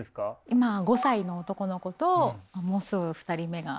今５歳の男の子ともうすぐ２人目が。